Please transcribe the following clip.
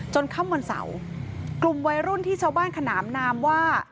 ค่ำวันเสาร์กลุ่มวัยรุ่นที่ชาวบ้านขนามนามว่า